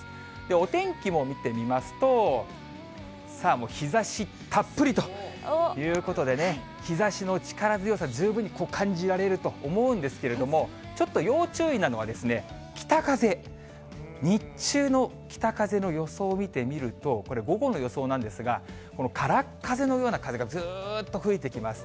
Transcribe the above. お天気も見てみますと、さあ、もう日ざしたっぷりということでね、日ざしの力強さ、十分に感じられると思うんですけれども、ちょっと要注意なのが、北風、日中の北風の予想を見てみると、これ、午後の予想なんですが、からっ風のような風がずーっと吹いてきます。